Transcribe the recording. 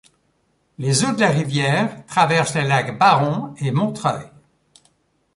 Les eaux de la rivière traversent les lacs Barron et Montreuil.